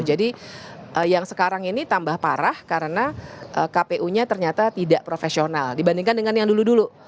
jadi yang sekarang ini tambah parah karena kpu nya ternyata tidak profesional dibandingkan dengan yang dulu dulu